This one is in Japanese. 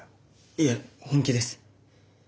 いえ本気です。